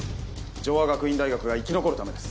城和学院大学が生き残るためです